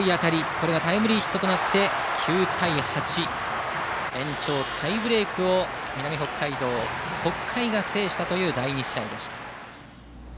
これがタイムリーヒットになって９対８、延長タイブレークを南北海道、北海が制した第２試合でした。